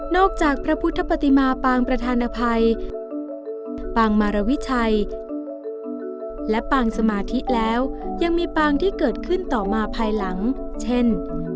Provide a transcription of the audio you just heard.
จากพระพุทธปฏิมาปางประธานอภัยปางมารวิชัยและปางสมาธิแล้วยังมีปางที่เกิดขึ้นต่อมาภายหลังเช่น